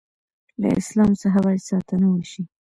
له اسلام څخه باید ساتنه وشي.